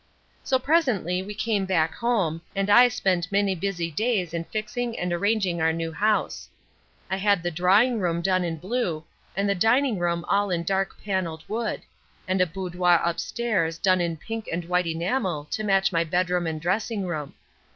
So presently we came back home, and I spent many busy days in fixing and arranging our new house. I had the drawing room done in blue, and the dining room all in dark panelled wood, and a boudoir upstairs done in pink and white enamel to match my bedroom and dressing room.